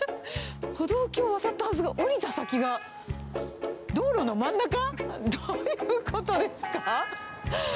歩道橋渡ったはずが、下りた先が道路の真ん中？どういうことですか？